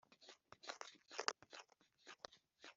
iry'umusarara rizimya icyaka